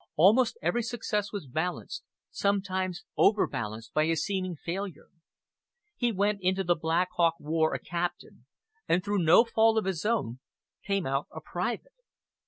Almost every success was balanced sometimes overbalanced, by a seeming failure. He went into the Black Hawk war a captain, and through no fault of his own, came out a private.